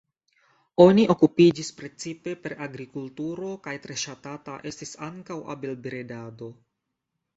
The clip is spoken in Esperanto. Oni okupiĝis precipe per agrikulturo kaj tre ŝatata estis ankaŭ abelbredado.